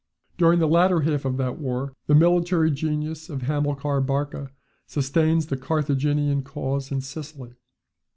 ] During the latter half of the war, the military genius of Hamilcar Barca sustains the Carthaginian cause in Sicily.